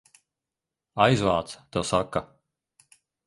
Aizvāc, tev saka!